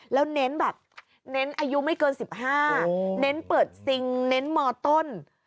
แล้วเน้นแบบเน้นอายุไม่เกิน๑๕เน้นเปิดซิงเน้นมต้น